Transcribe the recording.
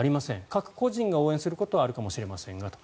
各個人が応援していることはあるかもしれませんがと。